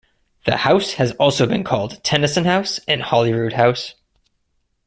The house has also been called Tennyson House and Holyrood House.